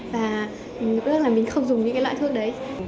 và mình cũng rất là mình không dùng những cái loại thuốc đấy